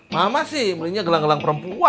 mama sih belinya gelang gelang perempuan